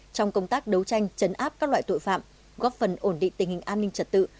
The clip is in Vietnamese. trong công tác đấu tranh chấn áp các loại tội phạm góp phần ổn định tình hình an ninh trật tự